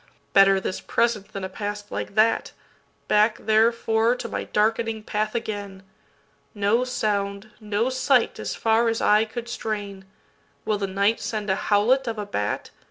Better this present than a past like that; Back therefore to my darkening path again! No sound, no sight as far as eye could strain. Will the night send a howlet of a bat?